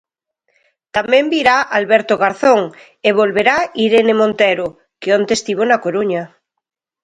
Tamén virá Alberto Garzón e volverá Irene Montero, que onte estivo na Coruña.